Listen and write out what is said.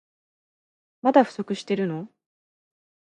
まだ不足してるの？